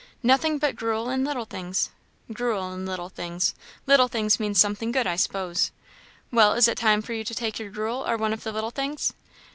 "Nothing but gruel and little things." " 'Gruel and little things;' little things means something good, I s'pose. Well, is it time for you to take your gruel or one of the little things?"